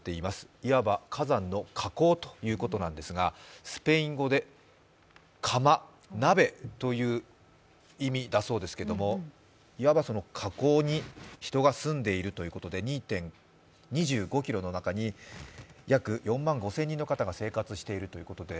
いわば火山の火口ということなんですが、スペイン語で釜、鍋という意味だそうですけども言わば火口に人が住んでいるということで、２５ｋｍの中に約４万５０００人の方が生活をしているということです。